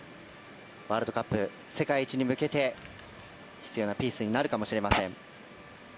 ワールドカップ世界一に向けて必要なピースになるかもしれません。